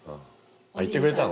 言ってくれたの？